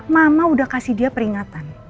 mama udah kasih dia peringatan